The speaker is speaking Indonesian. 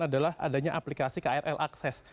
adalah adanya aplikasi krl akses